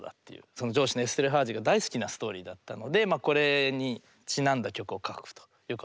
その上司のエステルハージが大好きなストーリーだったのでこれにちなんだ曲を書くということになったと。